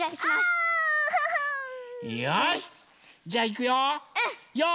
じゃあいくよ！